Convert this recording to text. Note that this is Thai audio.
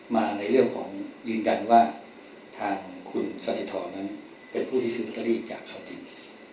มาในเรื่องของยืนยันว่าทางคุณกาสิทรนั้นเป็นผู้ที่ซื้อลอตเตอรี่จากเขาจริง